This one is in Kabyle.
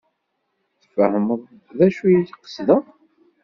Tfehmeḍ d acu ay d-qesdeɣ?